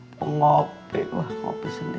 mau ngopi ngopi sendiri